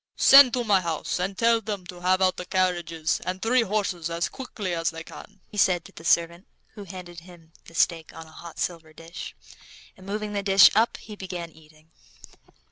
"Send to my house, and tell them to have out the carriage and three horses as quick as they can," he said to the servant, who handed him the steak on a hot silver dish, and moving the dish up he began eating.